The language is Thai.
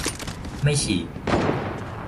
ไม่ฉีด